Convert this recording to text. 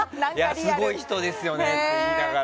すごい人ですよねって言いながら。